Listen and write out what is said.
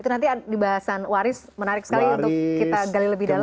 itu nanti di bahasan waris menarik sekali untuk kita gali lebih dalam